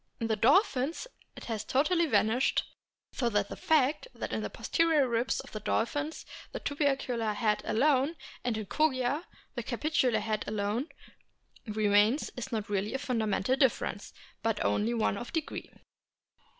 In the dolphins it has totally vanished, so that the fact that in the posterior ribs of the dolphins the tubercular head alone, and in Kogia the capitular head alone, remains is really not a fundamental difference, but only one of degree.